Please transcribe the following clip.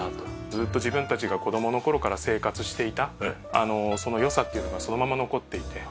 ずっと自分たちが子供の頃から生活していたその良さっていうのがそのまま残っていて。